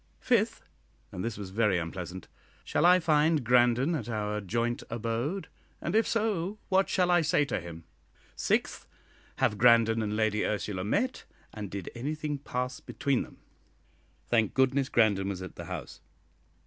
Fifth and this was very unpleasant Shall I find Grandon at our joint abode? And if so, what shall I say to him? Sixth, Have Grandon and Lady Ursula met, and did anything pass between them? Thank goodness Grandon was at the House.